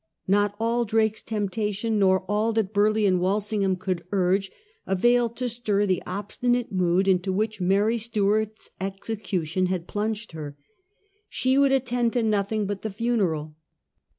Not all Drake's temptation, nor all that Burleigh and Walsingham could urge, availed to stir the obstinate mood into which Mary Stuart's execution had plunged her. She would attend to nothing but the funeral.